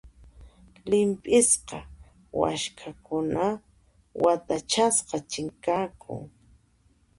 Llimp'isqa waskhakuna watachasqa chinkanku.